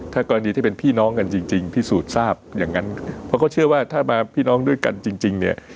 ถ้ากรณีที่เป็นพี่น้องกันจริงจริงพิสูจน์ทราบอย่างนั้นเพราะเขาเชื่อว่าถ้ามาพี่น้องด้วยกันจริงเนี่ย